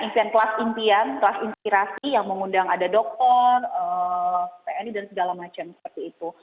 klas impian kelas inspirasi yang mengundang ada doktor pni dan segala macam seperti itu